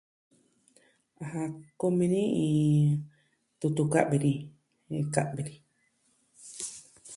Aja, kumi ni iin tutu ka'vi ni. Jen ka'vi ni.